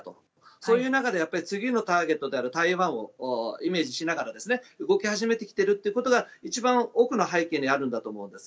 そういう中で次のターゲットである台湾をイメージしながら動き始めてきているということが一番奥の背景にあるんだと思うんです。